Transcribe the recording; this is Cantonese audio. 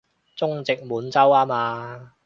中殖滿洲吖嘛